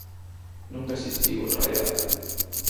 Nunca existiu, en realidade.